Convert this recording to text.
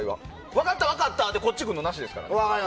分かった、分かったでこっち来るのはなしです。